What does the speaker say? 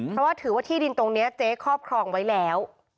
เพราะว่าถือว่าที่ดินตรงนี้เจ๊ครอบครองไว้แล้ว